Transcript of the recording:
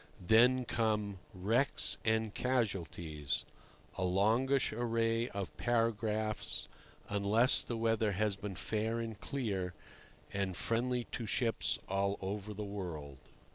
Then come "Wrecks and Casualties"—a longish array of paragraphs, unless the weather has been fair and clear, and friendly to ships all over the world.